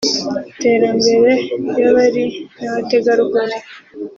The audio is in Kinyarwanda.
iterambere ry’abari n’abategarugori